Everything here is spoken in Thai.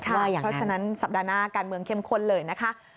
เพราะฉะนั้นสัปดาห์หน้าการเมืองเข้มข้นเลยนะคะ